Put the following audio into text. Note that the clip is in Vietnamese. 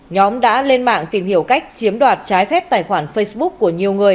nhóm đã lên mạng tìm hiểu cách chiếm đoạt trái phép tài khoản facebook của nhiều người